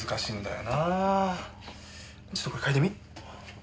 ちょっとこれ嗅いでみ？